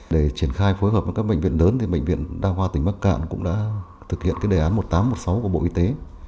để triển khai phối hợp với các bệnh viện lớn bệnh viện đa khoa tỉnh bắc cạn cũng đã thực hiện đề án một nghìn tám trăm một mươi sáu của bộ y tế